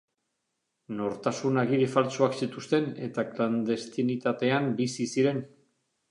Nortasun agiri faltsuak zituzten eta klandestinitatean bizi ziren.